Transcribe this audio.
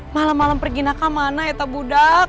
malam malam pergi kemana ya tak budak